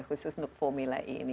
khusus untuk formula e ini